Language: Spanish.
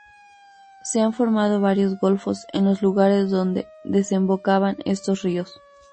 Se han formado varios golfos en los lugares donde desembocaban estos ríos.